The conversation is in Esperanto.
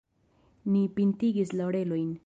Ni pintigis la orelojn.